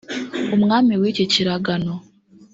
umwami w’iki kiragano